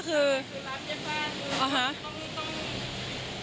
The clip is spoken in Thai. มันคือล้างเย็บผ้าคือต้อง